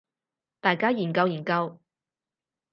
大家研究研究